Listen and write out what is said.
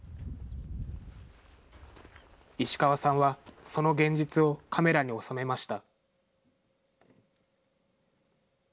石川さんは、その現実をカメラに収めました。